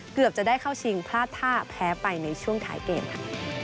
เกือบจะได้เข้าชิงพลาดท่าแพ้ไปในช่วงท้ายเกมค่ะ